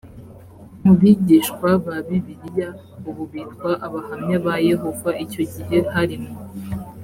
mu bigishwa ba bibiliya ubu bitwa abahamya ba yehova icyo gihe hari mu